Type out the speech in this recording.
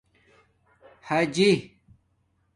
حجِی